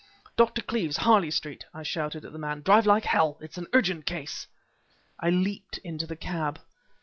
"Dr. Cleeve's, Harley Street!" I shouted at the man. "Drive like hell! It's an urgent case." I leaped into the cab.